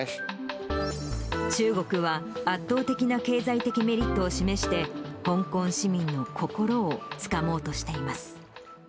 中国は、圧倒的な経済的メリットを示して、香港市民の心をつかもうとしています。